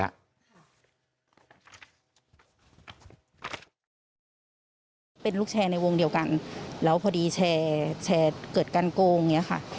ก็เป็นลูกแชร์ในวงเดียวกันแล้วพอดีแชร์เกิดการโกงอย่างนี้ค่ะ